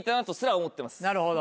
なるほど。